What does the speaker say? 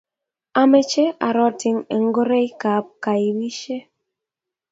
ameche arotin eng ngorietab kaibisie